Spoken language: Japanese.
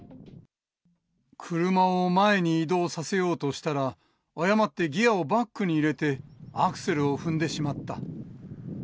車を前に移動させようとしたら、誤ってギアをバックに入れて、アクセルを踏んでしまった。